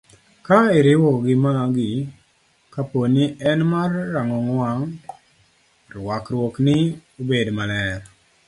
Ka iriwo gi magi, kapo ni en mar rang'ong wang', rwakruokni obed maler.